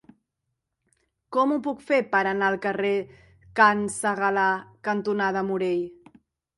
Com ho puc fer per anar al carrer Can Segalar cantonada Morell?